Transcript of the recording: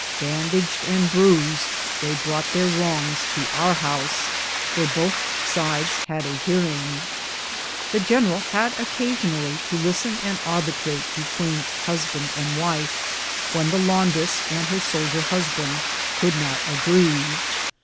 Band aged and bruised, they brought their wrongs to our house, where both sides had a hearing. The general had occasionally to listen and arbitrate between husband and wife, when the laundress and licr soldier husband could not agree.